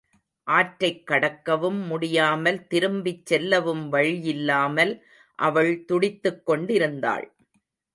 ஆற்றைக் கடக்கவும் முடியாமல் திரும்பிச் செல்லவும் வழியில்லாமல் அவள் துடித்துக் கொண்டிருந்தாள்.